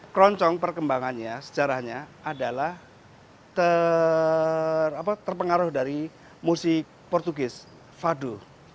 keroncong perkembangannya sejarahnya adalah terpengaruh dari musik portugis fado